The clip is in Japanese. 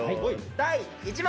第１問。